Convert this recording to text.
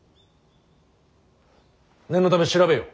念のため調べよ。